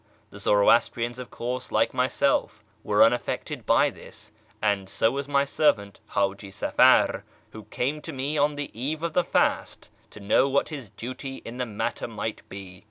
The Zoro astrians, of course, like myself, were unaffected by this, and so was my servant Haji Safar, who came to me on the eve of the fast to know what his duty in the matter miglit be.